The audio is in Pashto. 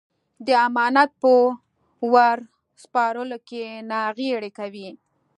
د امانت په ور سپارلو کې ناغېړي کوي.